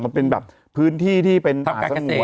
มันเป็นแบบพื้นที่ที่เป็นอาศักดิ์หัว